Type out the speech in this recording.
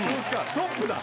トップだ。